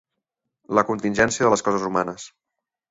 La contingència de les coses humanes.